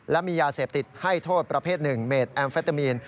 และมียาเสพติดให้โทษประเภท๑เมดแอมเฟตามีน